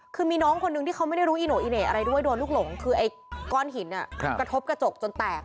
คือมีน้องคนนึงที่เขาไม่ได้รู้อีโน่อีเหน่อะไรด้วยโดนลูกหลงคือไอ้ก้อนหินกระทบกระจกจนแตก